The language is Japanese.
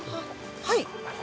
はい。